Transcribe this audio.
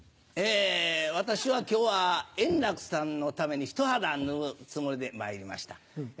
え私は今日は円楽さんのためにひと肌脱ぐつもりでまいりました。